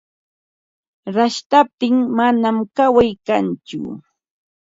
Rashtaptin manam kaway kantsu.